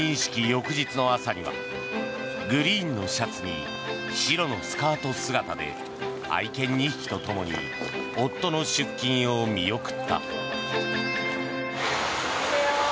翌日の朝にはグリーンのシャツに白のスカート姿で愛犬２匹と共に夫の出勤を見送った。